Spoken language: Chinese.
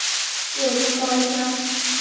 又称高腔。